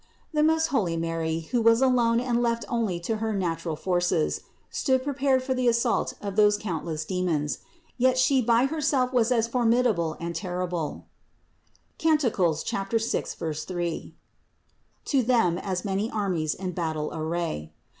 341. The most holy Mary, who was alone and left only to her natural forces, stood prepared for the assault of those countless demons; yet She by Herself was as formidable and terrible (Cant. 6, 3) to them as many armies in battle array.